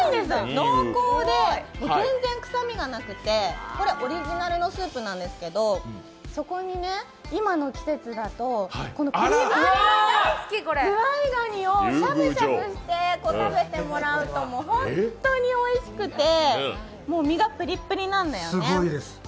濃厚で、全然臭みがなくて、オリジナルのスープなんですけどそこに今の季節だと、このぷりぷりのズワイガニをしゃぶしゃぶして食べてもらうと本当においしくて身がプリップリなんだよね。